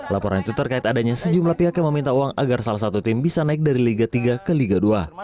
laporan itu terkait adanya sejumlah pihak yang meminta uang agar salah satu tim bisa naik dari liga tiga ke liga dua